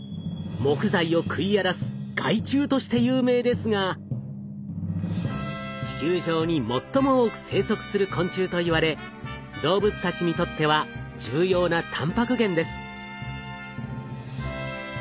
木材を食い荒らす害虫として有名ですが地球上に最も多く生息する昆虫といわれ動物たちにとっては重要なたんぱく源です。